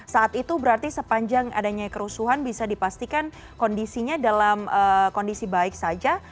saat itu berarti sepanjang adanya kerusuhan bisa dipastikan kondisinya dalam kondisi baik saja